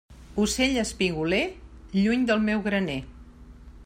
Ocell espigoler, lluny del meu graner.